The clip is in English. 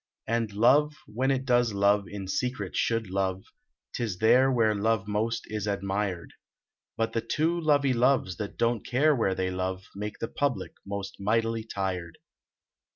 And love, when it does love, in secret should love Tis there where love most is admired ; Hut the two lovey loves that don t care where they love Make the public most mightily tired.